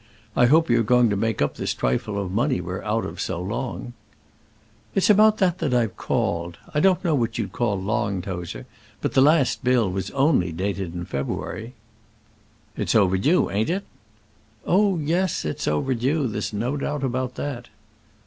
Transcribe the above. I hope you're going to make up this trifle of money we're out of so long." "It's about that I've called. I don't know what you call long, Tozer; but the last bill was only dated in February." "It's overdue; ain't it?" "Oh, yes; it's overdue. There's no doubt about that."